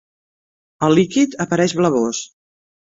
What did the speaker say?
El líquid apareix blavós.